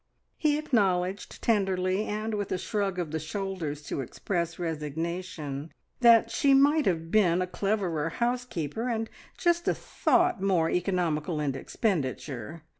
He acknowledged tenderly, and with a shrug of the shoulders to express resignation, that she might have been a cleverer housekeeper and just a thought more economical in expenditure!